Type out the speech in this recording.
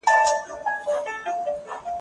دا وخت له هغه ښه دی.